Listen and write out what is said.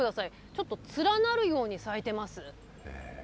ちょっと連なるように咲いてます。